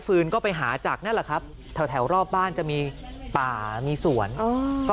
ืนก็ไปหาจากนั่นแหละครับแถวรอบบ้านจะมีป่ามีสวนก็